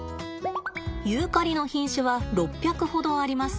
ユーカリの品種は６００ほどあります。